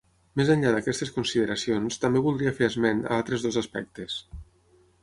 Més enllà d'aquestes consideracions també voldria fer esment a altres dos aspectes.